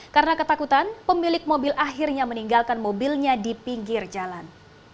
karena ketakutan pemilik mobil akhirnya meninggalkan mobilnya di pinggir jalan